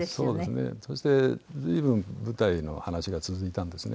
そして随分舞台の話が続いたんですね。